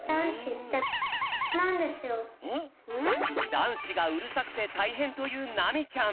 だんしがうるさくてたいへんというなみちゃん。